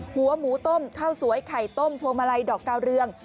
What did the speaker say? หัวหมูต้มเข้าสวยไข่ต้มภวมลัยดอกเตาเรือง